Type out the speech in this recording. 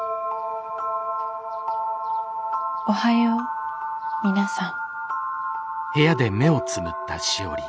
おはよう皆さん。